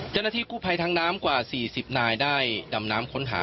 เจ้าหน้าที่กู้ภัยทั้งน้ำกว่า๔๐นายได้ดำน้ำค้นหา